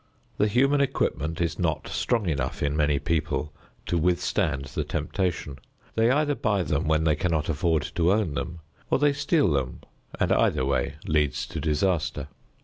The human equipment is not strong enough in many people to withstand the temptation. They either buy them when they cannot afford to own them, or they steal them, and either way leads to disaster.